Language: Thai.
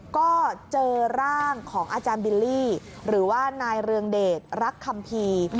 ก็เจอร่างของอาจารย์บิลลี่หรือว่านายเรืองเดชรักคัมภีร์